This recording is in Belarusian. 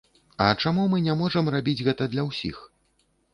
А чаму мы не можам рабіць гэта для ўсіх?